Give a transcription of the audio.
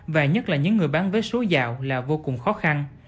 và nhất là những người bán vé số dạo là vô cùng khó khăn